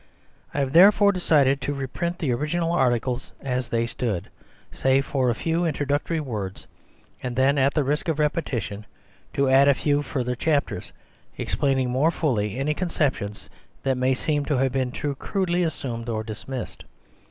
I have there fore decided to reprint the original articles as they stood, save for a few introductory words ; and then, at the risk of repetition, to add a few further chapters, explaining more fully any conceptions that may seem to have been too crudely assumed or dismissed.